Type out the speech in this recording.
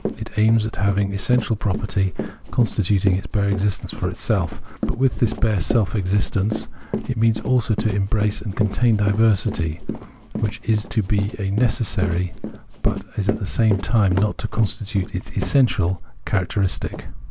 It aims at having an essential property, con stituting its bare existence for itself, but with this bare self existence it means also to embrace and contain diversity, which is to be necessary, but is at the same time not to constitute its essential characteristic.